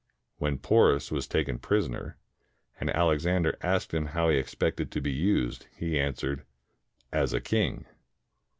When Porus was taken prisoner, and Alexander asked him how he ex pected to be used, he answered, "As a king."